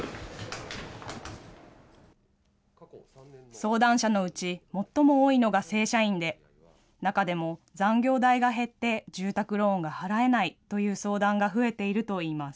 相談者のうち、最も多いのが正社員で、中でも残業代が減って住宅ローンが払えないという相談が増えているといいます。